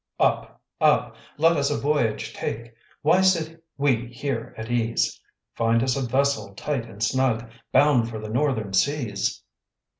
Up! up! let us a voyage take; Why sit we here at ease? Find us a vessel tight and snug, Bound for the northern seas.